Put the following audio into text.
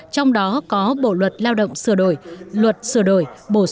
trong đó có bộ luật lao động sửa đổi luật sửa đổi